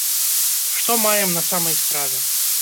Што маем на самай справе?